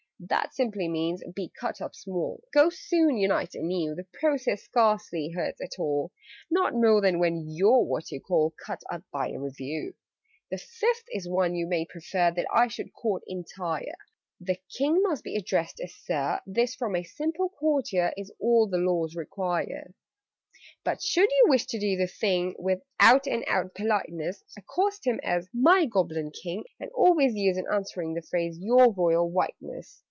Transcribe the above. "That simply means 'be cut up small': Ghosts soon unite anew: The process scarcely hurts at all Not more than when you're what you call 'Cut up' by a Review. "The Fifth is one you may prefer That I should quote entire: The King must be addressed as 'Sir.' This, from a simple courtier, Is all the Laws require: "_But, should you wish to do the thing With out and out politeness, Accost him as 'My Goblin King!' And always use, in answering, The phrase 'Your Royal Whiteness!'